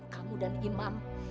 kamu dan ima